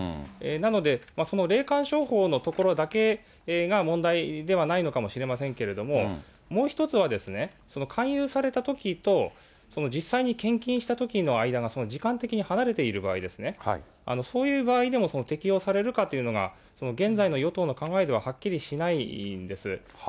なので、霊感商法のところだけが問題ではないのかもしれませんけれども、もう一つは、勧誘されたときと、実際に献金したときの間が時間的に離れている場合、そういう場合でも適用されるかというのが、現在の与党の考えでははっきりしないんです。